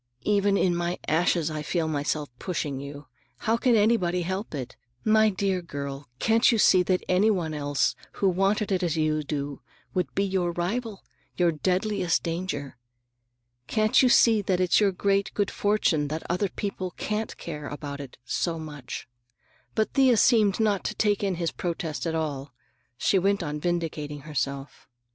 "Even in my ashes I feel myself pushing you! How can anybody help it? My dear girl, can't you see that anybody else who wanted it as you do would be your rival, your deadliest danger? Can't you see that it's your great good fortune that other people can't care about it so much?" But Thea seemed not to take in his protest at all. She went on vindicating herself.